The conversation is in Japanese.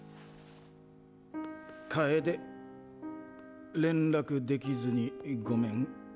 楓連絡できずにごめん。